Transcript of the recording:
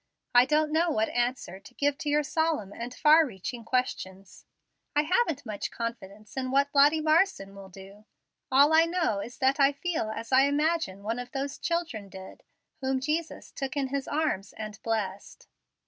I don't know what answer to give to your solemn and far reaching questions. I haven't much confidence in what Lottie Marsden will do. All I know is that I feel as I imagine one of those children did whom Jesus took in his arms and blessed."